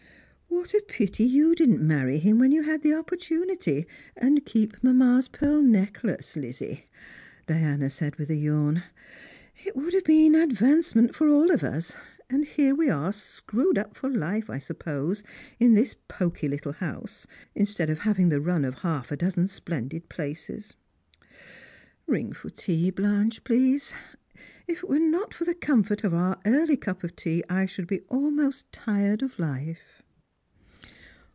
" What a pity you didn't many him when you had the op portunity, and keep mamma's pearl necklace, Lizzie!" Diana said, with a yawn. " It would have been advancement for all of us. And here we are screwed up for life, I suppose, in this pokey little house, instead of having the run of half a dozen splendid places. — Ring for tea, Blanche, please. If it were not for the comfort of our early cup of tea, I should be almost tired of life."